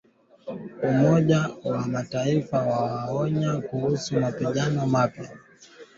Umoja wa Mataifa wawaonya kuhusu mapigano mapya